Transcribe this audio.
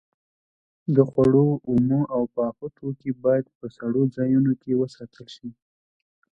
د خوړو اومه او پاخه توکي باید په سړو ځایونو کې وساتل شي.